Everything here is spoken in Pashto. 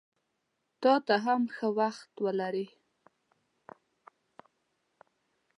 تاته هم ښه وخت ولرې!